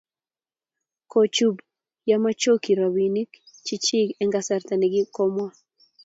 kochubon ya mayokchi robinik chich eng' kasarta ne kokimwaa